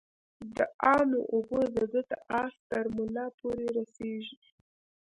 د امو اوبه د ده د آس ترملا پوري رسیږي.